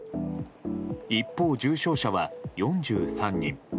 一方、重症者は４３人。